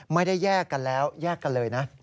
ไม่ได้แยกกันแล้วแยกกันเลยนะ